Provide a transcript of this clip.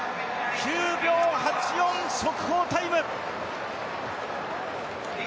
９秒８４、速報タイム。